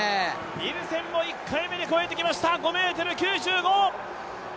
ニルセンも１回目で超えてきました、５ｍ９５。